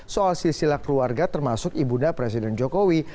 soal sisilah keluarga termasuk ibunda presiden jokowi